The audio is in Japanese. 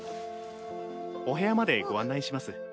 お部屋までご案内します。